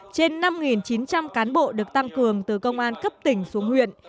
trên năm chín trăm linh cán bộ được tăng cường từ công an cấp tỉnh xuống huyện